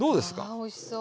わあおいしそう。